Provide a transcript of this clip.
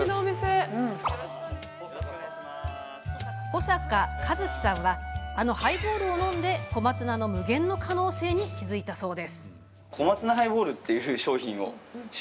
保坂一樹さんはあのハイボールを飲んで小松菜の無限の可能性に気付いたそう。